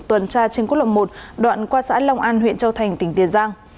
tuần tra trên quốc lộ một đoạn qua xã long an huyện châu thành tỉnh tiền giang